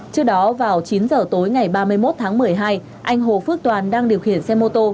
trước đó vào chín giờ tối ngày ba mươi một tháng một mươi hai anh hồ phước toàn đang điều khiển xe mô tô